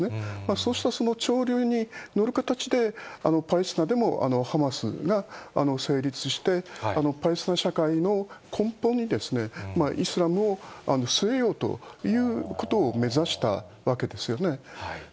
そうしたその潮流に乗る形で、パレスチナでもハマスが成立して、パレスチナ社会の根本にイスラムを据えようということを目指したわけですよね。